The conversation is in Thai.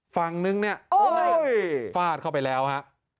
ฟังนึงเนี่ยโอ้โหฟาดเข้าไปแล้วฮะ